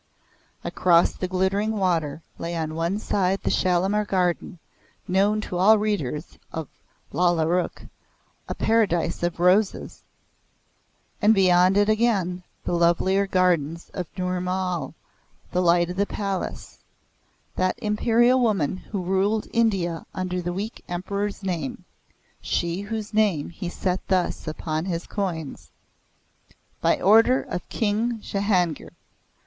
Across the glittering water lay on one side the Shalimar Garden known to all readers of "Lalla Ruhk" a paradise of roses; and beyond it again the lovelier gardens of Nour Mahal, the Light of the Palace, that imperial woman who ruled India under the weak Emperor's name she whose name he set thus upon his coins: "By order of King Jehangir.